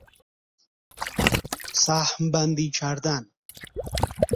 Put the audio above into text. سهم بندی کردن